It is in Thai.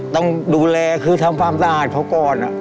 ต้องดูแลคือทำความสะอาดเขาก่อน